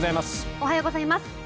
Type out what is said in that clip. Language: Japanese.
おはようございます。